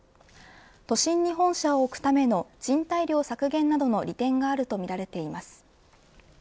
都心に本社を置くための賃貸料削減などの利点があるとみられています。